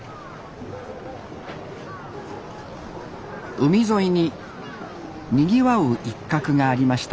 海沿いににぎわう一角がありました